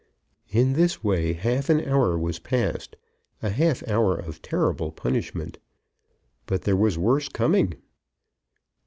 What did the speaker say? In this way half an hour was passed, a half hour of terrible punishment. But there was worse coming.